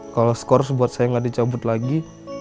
kalau skor buat saya nggak dicabut lagi